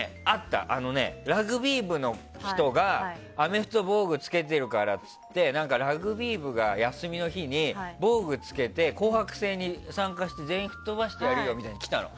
ラグビー部の人がアメフト防具着けてるからって言ってラグビー部が休みの日に防具着けて紅白戦に参加して全員吹っ飛ばしてやるよみたいに来たの。